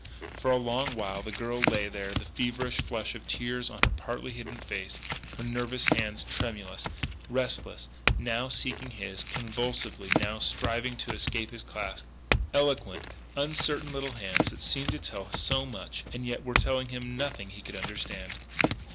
For a long while the girl lay there, the feverish flush of tears on her partly hidden face, her nervous hands tremulous, restless, now seeking his, convulsively, now striving to escape his clasp eloquent, uncertain little hands that seemed to tell so much and yet were telling him nothing he could understand.